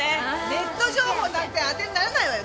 ネット情報なんてあてにならないわよ。